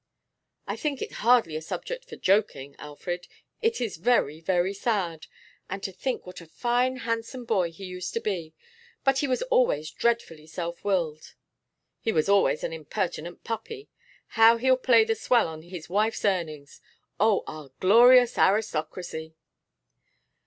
'I think it's hardly a subject for joking, Alfred. It is very, very sad. And to think what a fine handsome boy he used to be! But he was always dreadfully self willed.' 'He was always an impertinent puppy! How he'll play the swell on his wife's earnings! Oh, our glorious aristocracy!